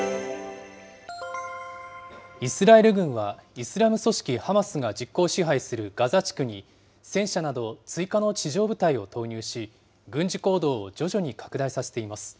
イスラエル軍はイスラム組織ハマスが実効支配するガザ地区に、戦車など追加の地上部隊を投入し、軍事行動を徐々に拡大させています。